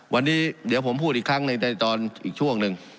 วันนี้เดี๋ยวผมพูดอีกครั้งหนึ่งในตอนอีกช่วงหนึ่ง